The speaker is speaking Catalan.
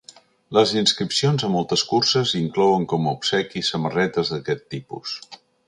Les inscripcions a moltes curses inclouen com a obsequi samarretes d'aquest tipus.